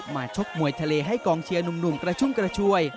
ชกมวยทะเลให้กองเชียร์หนุ่มกระชุ่มกระชวย